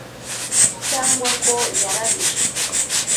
cyangwa ko yarabije